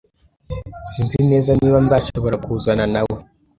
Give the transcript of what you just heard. Sinzi neza niba nzashobora kuzana nawe.